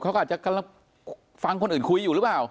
เขาก็อาจจะกำลังฟังคนอื่นคุยอยู่หรือเปล่า